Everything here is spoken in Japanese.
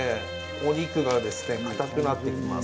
お肉がかたくなってきます。